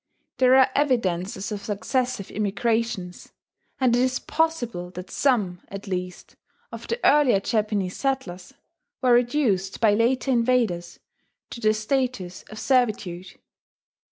There are evidences of successive immigrations; and it is possible that some, at least, of the earlier Japanese settlers were reduced by later invaders to the status of servitude.